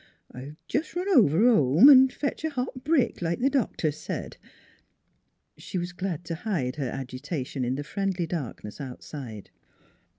I'll jes' run over home an' fetch a hot brick, like the doctor said." She was glad to hide her agitation in the friendly darkness outside.